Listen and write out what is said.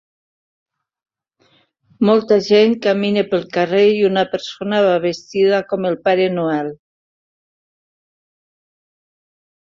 Molta gent camina pel carrer i una persona va vestida com el Pare Noel.